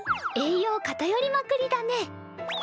栄養かたよりまくりだね。